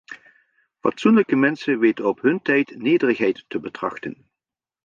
Fatsoenlijke mensen weten op hun tijd nederigheid te betrachten.